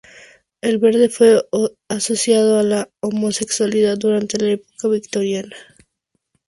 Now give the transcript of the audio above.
El verde fue asociado a la homosexualidad durante la Época victoriana.